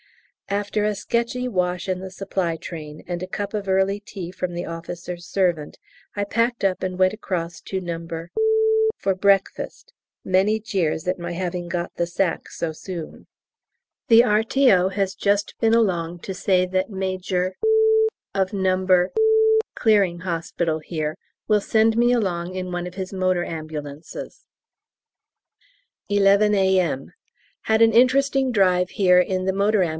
After a sketchy wash in the supply train, and a cup of early tea from the officer's servant, I packed up and went across to No. for breakfast; many jeers at my having got the sack so soon. The R.T.O. has just been along to say that Major of No. Clearing Hospital here will send me along in one of his motor ambulances. 11 A.M. Had an interesting drive here in the M.